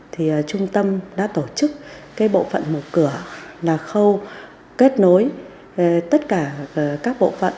thì trung tâm đã tổ chức bộ phận một cửa là khâu kết nối tất cả các bộ phận